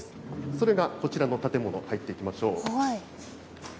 それがこちらの建物、入っていきましょう。